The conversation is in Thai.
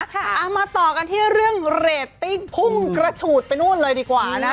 เอามาต่อกันที่เรื่องเรตติ้งพุ่งกระฉูดไปนู่นเลยดีกว่านะ